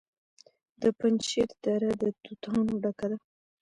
د پنجشیر دره د توتانو ډکه ده.